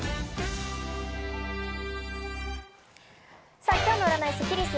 さぁ、今日の占いスッキリす。